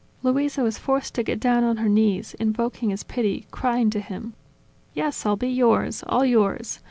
Luisa was forced to get down on her knees, invoking his pity, crying to him: "Yes, I'll be yours, all yours!